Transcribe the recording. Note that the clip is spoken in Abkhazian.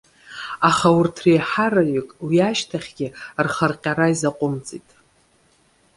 Аха урҭ реиҳараҩык, уи ашьҭахьгьы рхарҟьара изаҟәымҵит.